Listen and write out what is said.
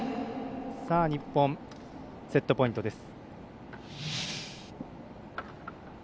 日本、セットポイントです。